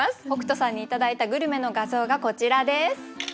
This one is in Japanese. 北斗さんに頂いたグルメの画像がこちらです。